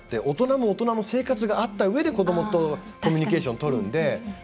大人も大人の生活があったうえで子どもとコミュニケーションとるので。